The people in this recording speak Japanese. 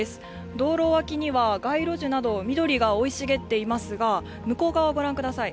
道路脇には街路樹など緑が生い茂っていますが向こう側ご覧ください